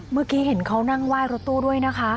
เมื่อกี้เห็นเขานั่งไหว้รถตู้ด้วยนะคะ